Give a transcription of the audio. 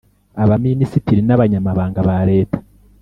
abaminisitiri n abanyamabanga ba leta